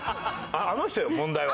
あの人よ問題は。